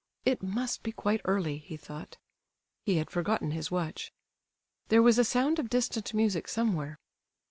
"It must be quite early," he thought. (He had forgotten his watch.) There was a sound of distant music somewhere.